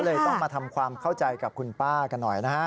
เลยต้องมาทำความเข้าใจกับคุณป้ากันหน่อยนะฮะ